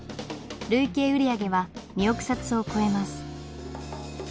累計売り上げは２億冊を超えます。